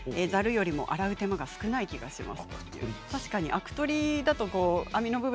ざるよりも洗う手間が少ない気がします。